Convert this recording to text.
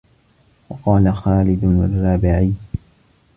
وَقَالَ خَالِدٌ الرَّبَعِيُّ